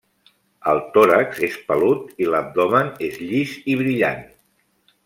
El tòrax és pelut i l'abdomen és llis i brillant.